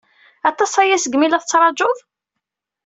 Aṭas aya segmi la tettṛajuḍ?